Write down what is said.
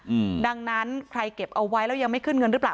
อืมดังนั้นใครเก็บเอาไว้แล้วยังไม่ขึ้นเงินหรือเปล่า